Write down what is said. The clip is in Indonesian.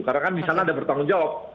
karena kan di sana ada bertanggung jawab